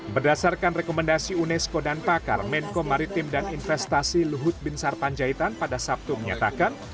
berdasarkan rekomendasi unesco dan pakar menko maritim dan investasi luhut bin sarpanjaitan pada sabtu menyatakan